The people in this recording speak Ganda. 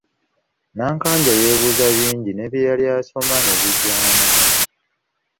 Nankanja yeebuuza bingi ne bye yali asoma ne bigaana.